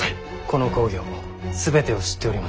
この公暁全てを知っております。